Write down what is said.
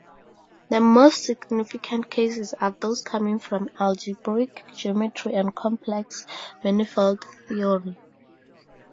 The most significant cases are those coming from algebraic geometry and complex manifold theory.